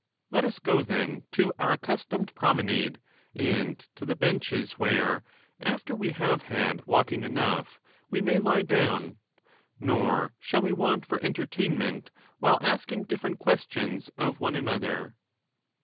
—Let us go, then, to our accustomed promenade, and to the benches, where, after we have had walking enough, we may lie down. Nor shall we want for entertainment while asking different questions of one another.